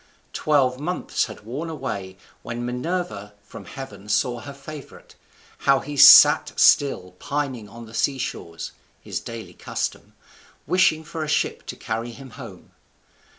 Twelve months had worn away, when Minerva from heaven saw her favourite, how he sat still pining on the seashores (his daily custom), wishing for a ship to carry him home.